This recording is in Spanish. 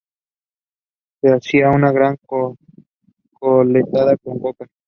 Se hacía una gran chocolatada con coca.